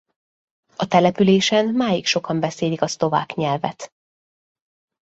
A településen máig sokan beszélik a szlovák nyelvet.